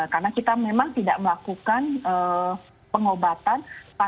karena kita memang tidak melakukan pengobatan